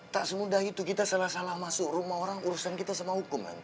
tak semudah itu kita salah salah masuk rumah orang urusan kita sama hukum